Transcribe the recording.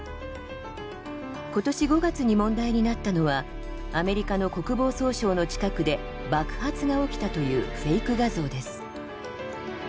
今年５月に問題になったのはアメリカの国防総省の近くで爆発が起きたというフェイク画像です。